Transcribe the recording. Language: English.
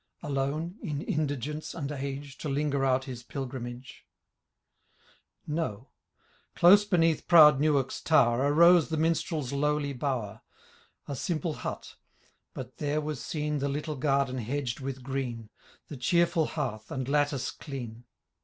Alone, in indigence and age. To linger out his pilgrimag« ? >d by Google 14B THE LAY OP Cantn VI No: — close beneath proud Newark's to\ver»* Arose the MinstrePs lowly bower ; A simple hut ; but there was seen The little garden hedged with green. The cheerful hearth, and lattice clean.